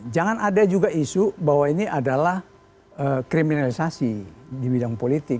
jangan ada juga isu bahwa ini adalah kriminalisasi di bidang politik